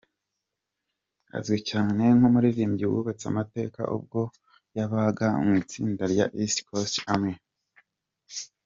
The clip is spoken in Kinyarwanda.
Azwi cyane nk’umuririmbyi wubatse amateka ubwo yabaga mu itsinda rya East Coast Army.